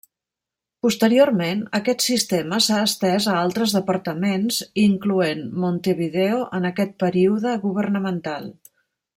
Posteriorment, aquest sistema s'ha estès a altres departaments incloent Montevideo en aquest període governamental.